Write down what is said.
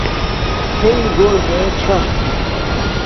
ہیݵ گھور میے چھا